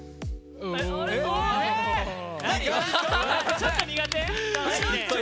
ちょっと苦手？